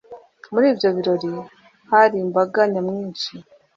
Muri ibyo birori hari imbaga nyamwinshi